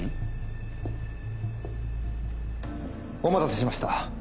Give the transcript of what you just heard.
お待たせしました。